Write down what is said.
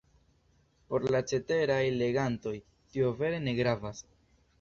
Por la ceteraj legantoj, tio vere ne gravas.